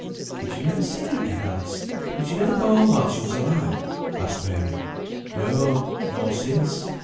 "Did you never see her again, Alice? Did you never go home while she was alive?" asked Mary. "No, nor since.